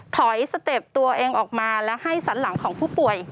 สเต็ปตัวเองออกมาแล้วให้สันหลังของผู้ป่วย